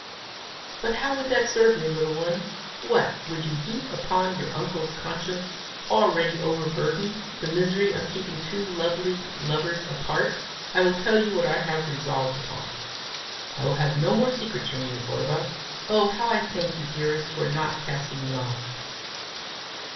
"But how would that serve me, little one? What! would you heap on your uncle's conscience, already overburdened, the misery of keeping two lovely lovers apart? I will tell you what I have resolved upon. I will have no more secrets from you, Orba. Oh, how I thank you, dearest, for not casting me off!"